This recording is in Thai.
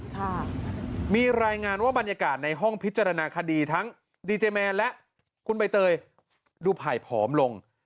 ค่ะมีรายงานว่าบรรยากาศในห้องพิจารณาคดีทั้งดีเจแมนและคุณใบเตยดูไผ่ผอมลง